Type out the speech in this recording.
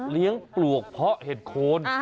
เลี้ยงปลวกเพราะเห็ดโคน